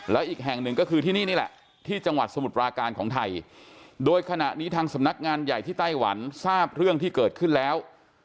แล้วอีกแห่งหนึ่งก็คือที่นี่นี่แหละที่จังหวัดสมุทรปราการของไทยโดยขณะนี้ทางสำนักงานใหญ่ที่ไต้หวันทราบเรื่องที่เกิดขึ้นแล้ว